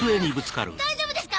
大丈夫ですか？